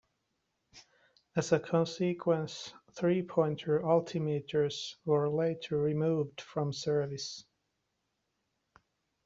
As a consequence, three-pointer altimeters were later removed from service.